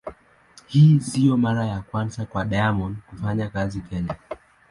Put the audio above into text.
Hii sio mara ya kwanza kwa Diamond kufanya kazi Kenya.